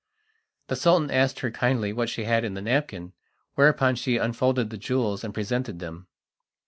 The Sultan asked her kindly what she had in the napkin, whereupon she unfolded the jewels and presented them.